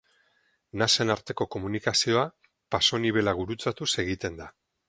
Nasen arteko komunikazioa pasonibela gurutzatuz egiten da.